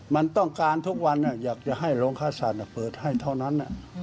มันต้องการทุกวันอยากจะให้โรงค่าสัตว์เปิดให้เท่านั้น